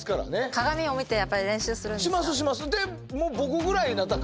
鏡を見てやっぱり練習するんですか？